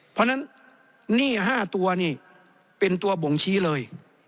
เพราะฉะนั้นหนี้๕ตัวนี่เป็นตัวบ่งชี้เลย